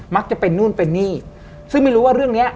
จะเป็นนู่นเป็นนี่ซึ่งไม่รู้ว่าเรื่องเนี้ย